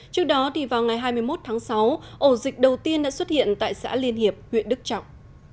trước đó vào ngày hai mươi một tháng sáu ổ dịch đầu tiên đã xuất hiện tại xã liên hiệp huyện đức trọng